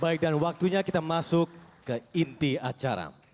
baik dan waktunya kita masuk ke inti acara